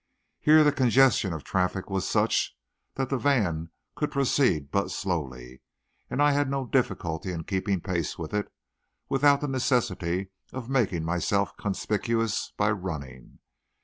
Here the congestion of traffic was such that the van could proceed but slowly, and I had no difficulty in keeping pace with it, without the necessity of making myself conspicuous by running.